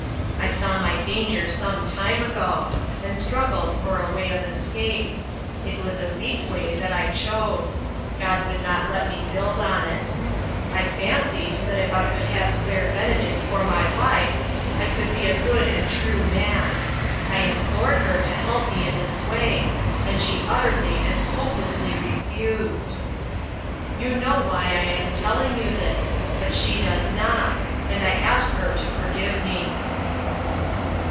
I saw my danger some time ago, and struggled for a way of escape. It was a weak way that I chose ; God would not let me build on it. I fancied that if I could have Claire Benedict for my wife, I AN ESCAPED VICTIM. 4O/ could be a good and true man. I implored her to help me in this way, and she ut terly and hopelessly refused. " You know why I am telling you this, but she does not, and I ask her to forgive me."